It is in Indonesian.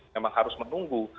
memang harus menunggu